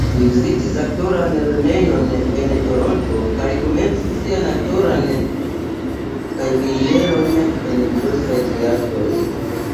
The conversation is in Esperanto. Li vizitis aktoran lernejon en Toronto kaj komencis sian aktoran karieron en diversaj teatroj.